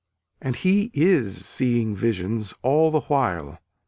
And he is seeing visions all the while.